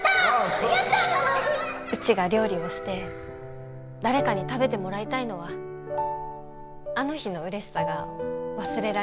うちが料理をして誰かに食べてもらいたいのはあの日のうれしさが忘れられないから。